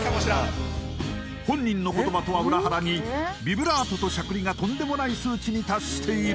本人の言葉とは裏腹にビブラートとしゃくりがとんでもない数値に達している。